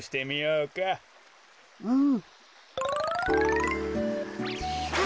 うん。